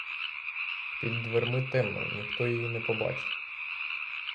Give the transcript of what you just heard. Під дверми темно, ніхто її не побачить.